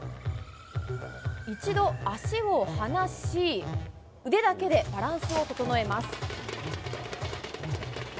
一度、足を離し、腕だけでバランスを整えます。